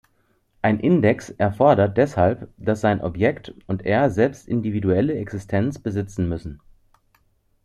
Ein Index erfordert deshalb, dass sein Objekt und er selbst individuelle Existenz besitzen müssen.